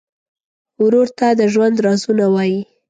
ورور ته د ژوند رازونه وایې.